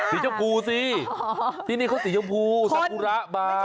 ชมพูสิที่นี่เขาสีชมพูสากุระมา